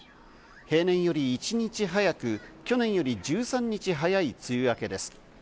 平年より一日早く、去年より１３日早い梅雨明けです。